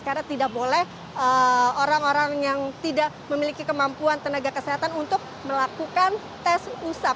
karena tidak boleh orang orang yang tidak memiliki kemampuan tenaga kesehatan untuk melakukan tes usap